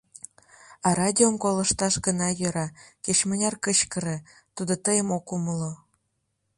А радиом колышташ гына йӧра, кеч-мыняр кычкыре, тудо тыйым ок умыло.